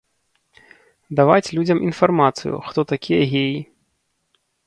Даваць людзям інфармацыю, хто такія геі.